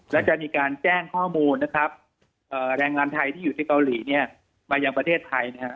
แล้วจะมีการแจ้งข้อมูลแรงร้านไทยที่อยู่ที่เกาหลีมาจากประเทศไทย